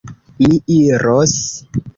Mi iros.